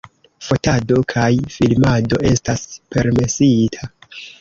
Fotado kaj filmado estas permesita.